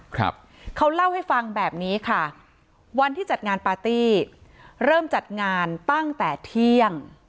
ครับเขาเล่าให้ฟังแบบนี้ค่ะวันที่จัดงานปาร์ตี้เริ่มจัดงานตั้งแต่เที่ยง